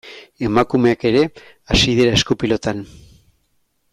Emakumeak ere hasi dira esku-pilotan.